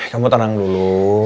kamu tenang dulu